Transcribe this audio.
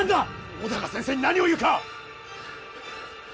尾高先生に何を言うか！